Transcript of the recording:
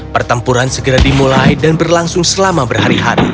pertempuran segera dimulai dan berlangsung selama berhari hari